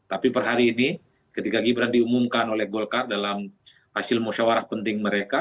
tapi per hari ini ketika gibran diumumkan oleh golkar dalam hasil musyawarah penting mereka